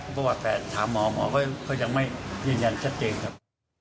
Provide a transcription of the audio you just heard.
เพราะว่าแฟนถามหมอหมอก็ยังไม่ยืนยันชัดเจนครับ